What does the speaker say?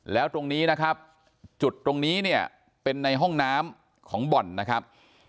แล้วตรงนี้นะครับจุดตรงนี้เนี่ยเป็นในห้องน้ำของบ่อนนะครับ